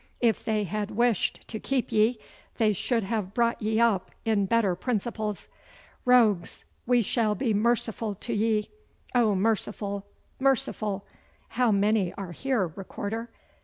If they had wished to keep ye, they should have brought ye up in better principles. Rogues, we shall be merciful to ye oh, merciful, merciful! How many are here, recorder?